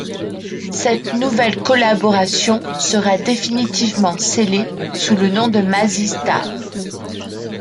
Cette nouvelle collaboration sera définitivement scellée sous le nom de Mazzy Star.